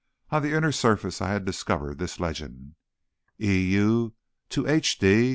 On the inner surface I had discovered this legend: E. U. to H. D.